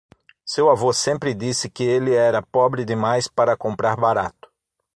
Seu avô sempre disse que ele era pobre demais para comprar barato.